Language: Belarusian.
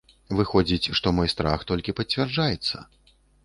Выходзіць, што мой страх толькі пацвярджаецца.